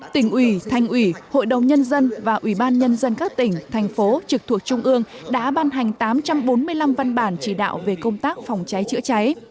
tỉnh ủy thành ủy hội đồng nhân dân và ủy ban nhân dân các tỉnh thành phố trực thuộc trung ương đã ban hành tám trăm bốn mươi năm văn bản chỉ đạo về công tác phòng cháy chữa cháy